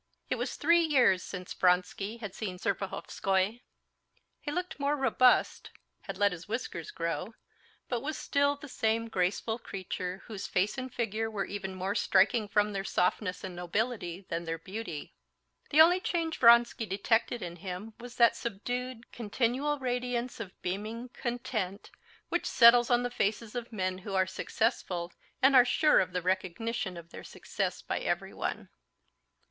It was three years since Vronsky had seen Serpuhovskoy. He looked more robust, had let his whiskers grow, but was still the same graceful creature, whose face and figure were even more striking from their softness and nobility than their beauty. The only change Vronsky detected in him was that subdued, continual radiance of beaming content which settles on the faces of men who are successful and are sure of the recognition of their success by everyone.